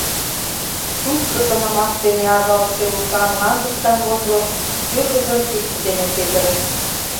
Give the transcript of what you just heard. Шучко шонымаш дене авалтше Лука мландыш камвозо, шӱргыжым кидше дене петырыш.